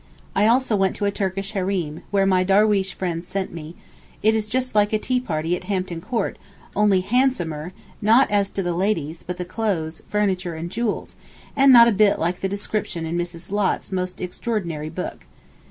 I also went to a Turkish Hareem, where my darweesh friends sent me; it is just like a tea party at Hampton Court, only handsomer, not as to the ladies, but the clothes, furniture and jewels, and not a bit like the description in Mrs. Lott's most extraordinary book.